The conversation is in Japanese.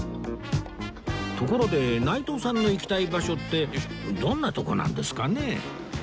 ところで内藤さんの行きたい場所ってどんなとこなんですかねえ？